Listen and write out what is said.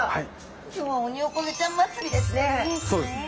今日はオニオコゼちゃん祭りですね。